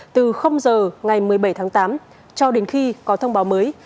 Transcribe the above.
từ giờ ngày một mươi bảy tháng tám cho đến khi có thông báo mới